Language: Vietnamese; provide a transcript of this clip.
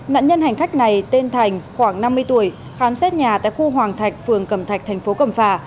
nạn nhân hành khách này tên thành khoảng năm mươi tuổi khám xét nhà tại khu hoàng thạch phường cẩm thạch thành phố cẩm phà